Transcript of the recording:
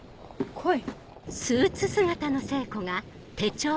来い？